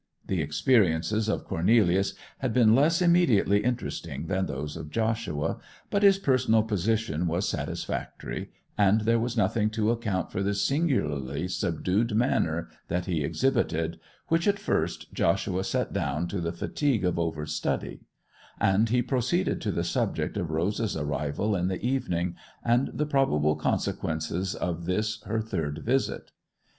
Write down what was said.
The experiences of Cornelius had been less immediately interesting than those of Joshua, but his personal position was satisfactory, and there was nothing to account for the singularly subdued manner that he exhibited, which at first Joshua set down to the fatigue of over study; and he proceeded to the subject of Rosa's arrival in the evening, and the probable consequences of this her third visit.